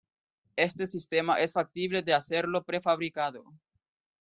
Este sistema es factible de hacerlo prefabricado.